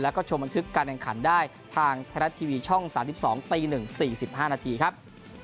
แล้วก็ชมบันทึกการแข่งขันได้ทางไทยรัฐทีวีช่อง๓๒ตี๑๔๕นาทีครับ